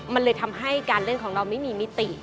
มันเลยทำให้การเล่นของเราไม่มีมิติ